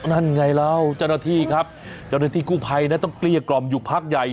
นั่นไงแล้วจรภิครับจรภิกู้ภัยต้องเกลี้ยกรอบอยู่พักใหญ่